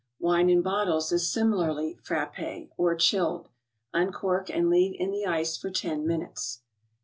Wine in bottles is similarly frappe or chilled. Uncork and leave in the ice for ten minutes.